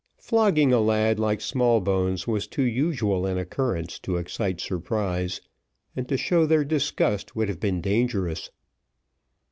Flogging a lad like Smallbones was too usual an occurrence to excite surprise, and to show their disgust would have been dangerous.